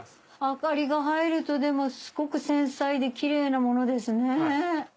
明かりが入るとすごく繊細でキレイなものですね。